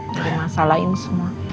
biar masalahin semua